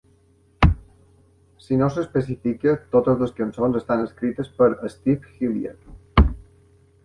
Si no s'especifica, totes les cançons estan escrites per Steve Hillier.